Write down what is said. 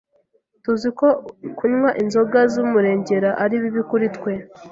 Tuzi ko kunywa inzoga z’umurengera ari bibi kuri twe,